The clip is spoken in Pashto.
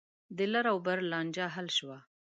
د لر او بر لانجه حل شوه.